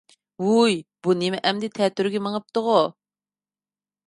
ۋوي بۇ ئەمدى تەتۈرىگە مېڭىپتىغۇ؟